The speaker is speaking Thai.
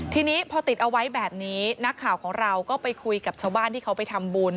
ทีนี้พอติดเอาไว้แบบนี้นักข่าวของเราก็ไปคุยกับชาวบ้านที่เขาไปทำบุญ